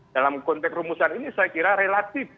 dalam konteks rumusan ini saya kira relatif